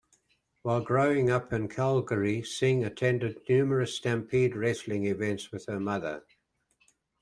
While growing up in Calgary, Sing attended numerous Stampede Wrestling events with her mother.